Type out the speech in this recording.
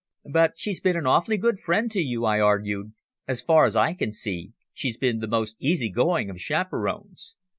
"But she's been an awfully good friend to you," I argued. "As far as I can see, she's been the most easy going of chaperons."